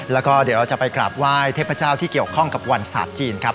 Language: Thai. แล้วก็เดี๋ยวเราจะไปกราบไหว้เทพเจ้าที่เกี่ยวข้องกับวันศาสตร์จีนครับ